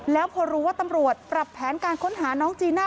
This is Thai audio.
แล้วพอรู้ว่าตำรวจปรับแผนการค้นหาน้องจีน่า